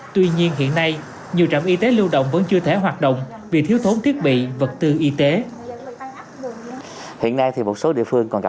tuy nhiên hiện nay nhiều trạm y tế lưu động vẫn chưa thể hoạt động vì thiếu thốn thiết bị vật tư y tế